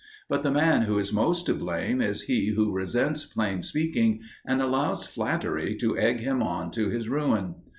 But the man who is most to blame is he who resents plain speaking and allows flattery to egg him on to his ruin.